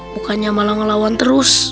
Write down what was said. bukannya malah ngelawan terus